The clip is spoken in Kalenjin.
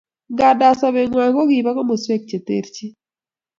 Nganda sobengwai kokiba komoswek che terchin